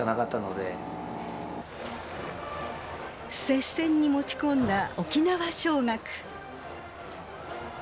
接戦に持ち込んだ沖縄尚学。